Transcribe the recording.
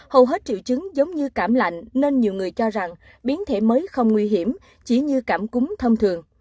hầu hết triệu chứng giống như cảm lạnh nên nhiều người cho rằng biến thể mới không nguy hiểm chỉ như cảm cúm thông thường